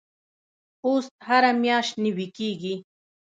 پوست هره میاشت نوي کیږي.